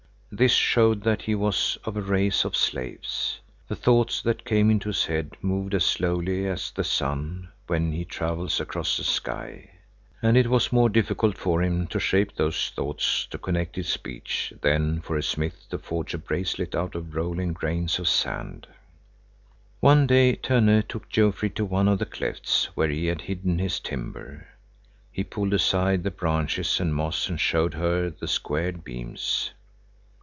This showed that he was of a race of slaves. The thoughts that came into his head moved as slowly as the sun when he travels across the sky. And it was more difficult for him to shape those thoughts to connected speech than for a smith to forge a bracelet out of rolling grains of sand. One day Tönne took Jofrid to one of the clefts, where he had hidden his timber. He pulled aside the branches and moss and showed her the squared beams.